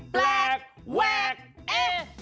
แปลกแวกเอ๊